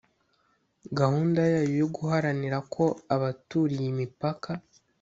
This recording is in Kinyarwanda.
gahunda yayo yo guharanira ko abaturiye imipaka